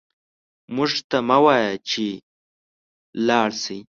موږ ته مه وايه چې لاړ شئ